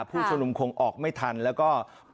ผู้ชมนุมคงออกไม่ทันแล้วก็